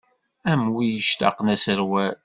Am win yectaqen aserwal.